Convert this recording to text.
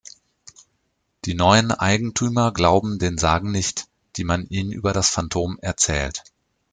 Die neuen Eigentümer glauben den Sagen nicht, die man ihnen über das Phantom erzählt.